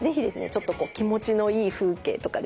ちょっとこう気持ちのいい風景とかですね